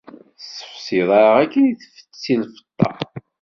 Tessefsiḍ-aɣ akken i tfetti lfeṭṭa.